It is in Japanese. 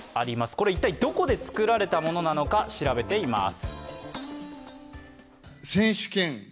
これは一体どこで作られたものなのか調べてあります。